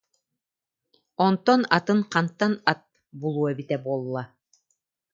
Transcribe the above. Онтон атын хантан ат булуо эбитэ буолла